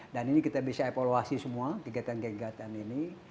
dan ini kita bisa evaluasi semua kegiatan kegiatan ini